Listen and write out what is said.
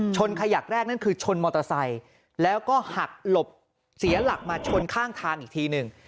ขยักแรกนั่นคือชนมอเตอร์ไซค์แล้วก็หักหลบเสียหลักมาชนข้างทางอีกทีหนึ่ง